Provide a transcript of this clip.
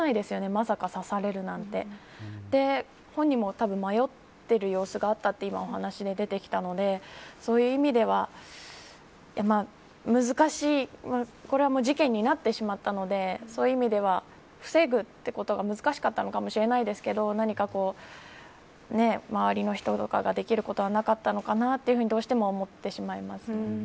まさか刺されるなんて本人も迷っている様子があったと今、お話が出てきたのでそういう意味では難しい事件になってしまったのでそういう意味では防ぐということが難しかったのかもしれないですけど何か周りの人ができることはなかったのかなというふうにどうしても思ってしまいます。